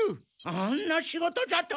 あんな仕事じゃと？